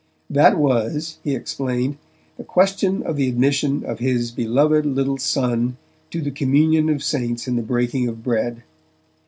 That was, he explained, the question of the admission of his, beloved little son to the communion of saints in the breaking of bread.